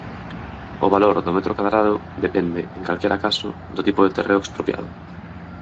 O valor do metro cadrado depende, en calquera caso, do tipo de terreo expropiado.